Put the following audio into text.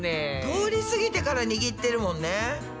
通りすぎてから握ってるもんね。